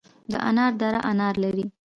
د انار دره انار لري